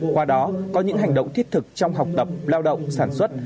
qua đó có những hành động thiết thực trong học tập lao động sản xuất